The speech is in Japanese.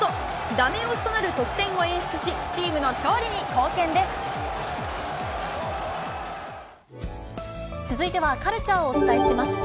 だめ押しとなる得点を演出し、続いては、カルチャーをお伝えします。